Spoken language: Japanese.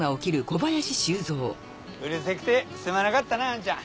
うるさくてすまなかったなあんちゃん。